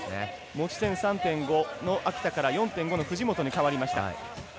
持ち点３．５の秋田から４．５の藤本にかわりました。